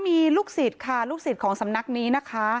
มีลูกศิษย์ค่ะลูกศิษย์ของสำนักนี้นะคะ